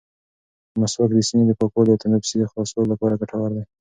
مسواک د سینې د پاکوالي او تنفس د خلاصوالي لپاره ګټور دی.